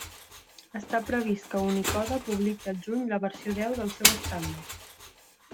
Està previst que Unicode publiqui al juny la versió deu del seu estàndard.